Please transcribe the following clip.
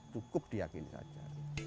cukup diyakini saja